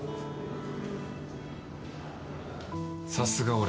さすが俺。